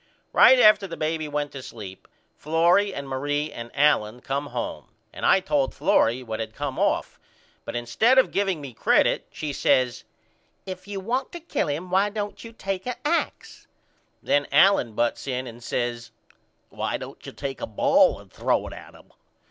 Right after the baby went to sleep Florrie and Marie and Allen come home and I told Florrie what had came off but instead of giveing me credit she says If you want to kill him why don't you take a ax? Then Allen butts in and says Why don't you take a ball and throw it at him?